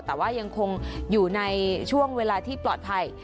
แต่ว่ายังคงอยู่ในช่วงเวลาที่ปลอดภัย